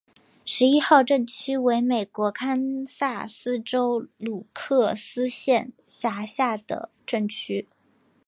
十一号镇区为美国堪萨斯州鲁克斯县辖下的镇区。